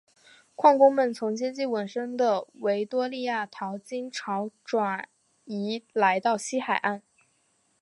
矿工们从接近尾声的维多利亚淘金潮转移来到西海岸。